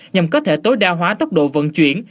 nhằm có thể tối đa hóa tốc độ vận chuyển